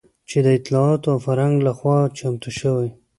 چې د اطلاعاتو او فرهنګ لخوا چمتو شوى